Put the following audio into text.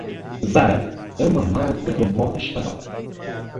Zara é uma marca de moda espanhola.